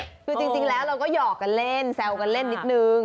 คือจริงแล้วเราก็หยอกกันเล่นแซวกันเล่นนิดนึง